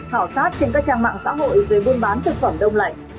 khảo sát trên các trang mạng xã hội về buôn bán thực phẩm đông lạnh